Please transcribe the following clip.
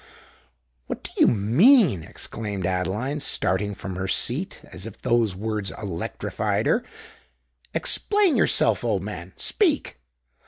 "What do you mean?" exclaimed Adeline, starting from her seat, as if those words had electrified her. "Explain yourself, old man—speak!"